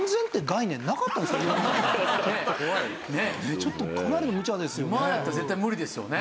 ちょっとかなりのむちゃですよね。